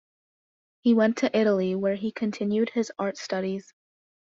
He went to Italy, where he continued his art studies.